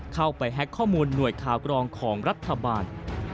เข้าไปแฮ็กข้อมูลหน่วยข่าวกรองของรัฐบาล